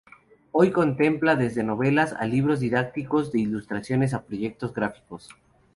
Hoy contempla desde novelas a libros didácticos, de ilustraciones, a proyectos gráficos.